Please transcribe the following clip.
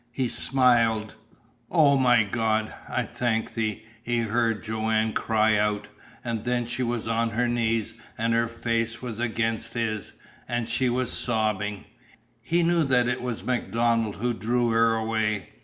He smiled. "O my God, I thank Thee!" he heard Joanne cry out, and then she was on her knees, and her face was against his, and she was sobbing. He knew that it was MacDonald who drew her away.